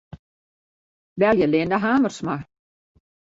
Belje Linda Hamersma.